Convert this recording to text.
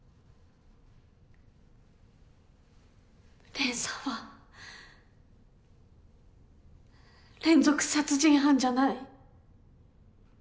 蓮さんは連続殺人犯じゃない。